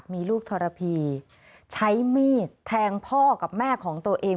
มีลูกทรพีใช้มีดแทงพ่อกับแม่ของตัวเอง